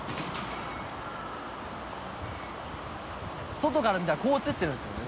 外から見たらこう映ってるんですもんね